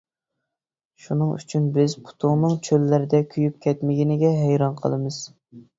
شۇنىڭ ئۈچۈن بىز پۇتۇڭنىڭ چۆللەردە كۆيۈپ كەتمىگىنىگە ھەيران قالىمىز.